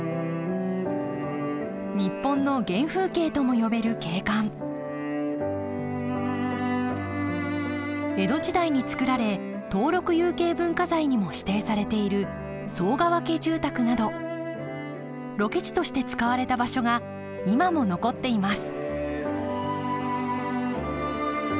日本の原風景とも呼べる景観江戸時代につくられ登録有形文化財にも指定されている寒川家住宅などロケ地として使われた場所が今も残っています